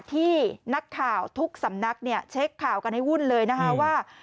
ที่นักข่าวทุกสำนักเนี่ยเช็คข่าวกันให้วุ่นเลยนะคะว่า